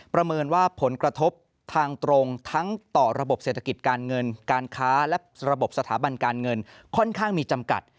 ประเมินว่าผลกระทบทางตรงทั้งต่อระบบเศรษฐกิจการเงินการค้าและระบบสถาบันการเงินค่อนข้างมีจำกัด